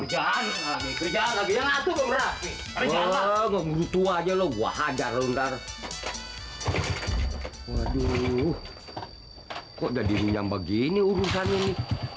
kerjaan kerjaan itu berarti ngebut wajah lu hadar londar waduh kok jadi minum begini urusan ini